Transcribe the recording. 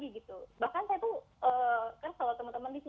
cuma kalau pengalaman saya